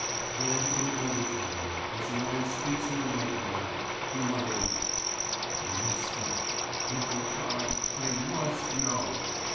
Then in an undertone, as a man speaks in a nightmare, he muttered: "I must know. My God! I must know."